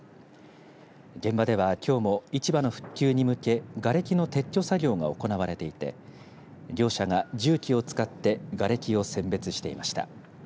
現場では、きょうも市場の復旧に向けがれきの撤去作業が行われていて業者が重機を使ってがれきを選別していました。